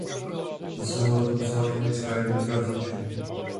Zasahovat musela chemická jednotka hasičů.